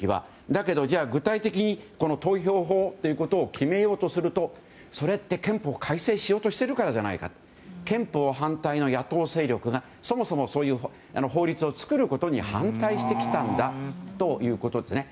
だけど具体的に投票法ということを決めようとするとそれって憲法改正しようとしてるからじゃないかと反対の野党勢力がそもそもその法律を作ることに反対してきたんだということですね。